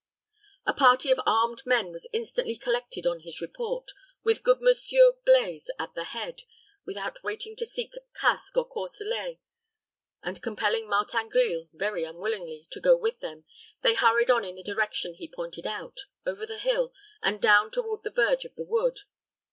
A party of armed men was instantly collected on his report, with good Monsieur Blaize at their head, without waiting to seek casque or corselet; and compelling Martin Grille, very unwillingly, to go with them, they hurried on in the direction he pointed out, over the hill, and down toward the verge of the wood.